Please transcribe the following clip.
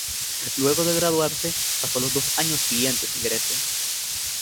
Luego de graduarse, pasó los dos años siguientes en Grecia;.